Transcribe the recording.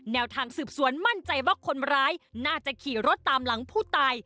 แนวทางสืบสวนมั่นใจว่าคนร้ายน่าจะขี่รถตามหลังผู้ตาย